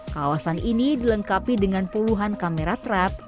kawasan ini dilengkapi dengan puluhan kamera trap